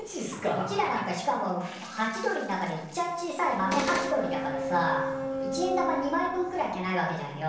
うちらなんかしかもハチドリの中でいっちゃん小さいマメハチドリだからさ一円玉２枚分くらいっきゃないわけじゃんよ